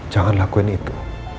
jangan lakuin itu